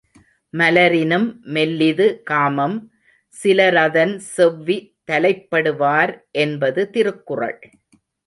மலரினும் மெல்லிது காமம் சிலரதன் செவ்வி தலைப்படு வார் என்பது திருக்குறள்.